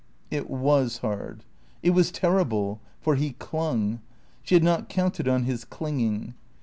It was hard. It was terrible; for he clung. She had not counted on his clinging.